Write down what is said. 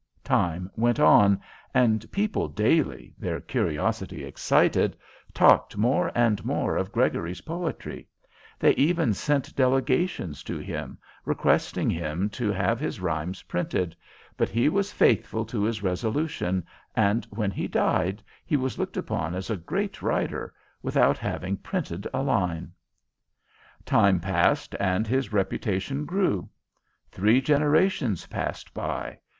Time went on, and people daily, their curiosity excited, talked more and more of Gregory's poetry; they even sent delegations to him, requesting him to have his rhymes printed, but he was faithful to his resolution, and when he died he was looked upon as a great writer, without having printed a line. Time passed and his reputation grew. Three generations passed by.